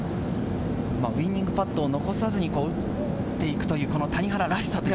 ウイニングパットを残さずに打っていくという谷原らしさ。